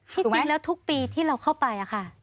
ที่จริงแล้วทุกปีที่เราเข้าไปค่ะ